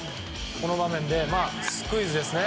この場面でスクイズですね。